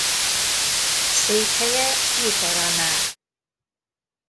Székhelye Ji-Paraná.